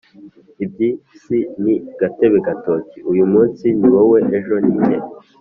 Ibyisi ni gatebe gatoki uyumumnsi niwowe ejo ninjye